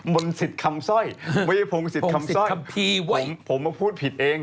มนศิษย์คำซ่อยมนศิษย์คำพีเพราะผมพูดผิดเอง